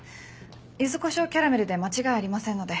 ゆずこしょうキャラメルで間違いありませんので。